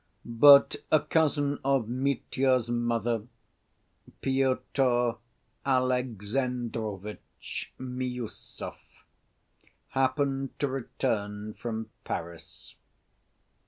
But a cousin of Mitya's mother, Pyotr Alexandrovitch Miüsov, happened to return from Paris.